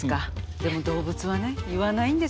でも動物はね言わないんですよ。